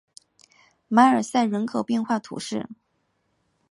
马尔赛人口变化图示